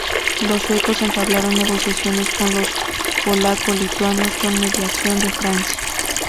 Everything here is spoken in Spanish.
Los suecos entablaron negociaciones con los polaco-lituanos con mediación de Francia.